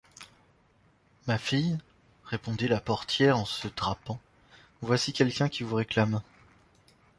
Ma fille, répondit la portière en se drapant, voici quelqu’un qui vous réclame.